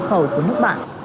cửa khẩu của nước bạn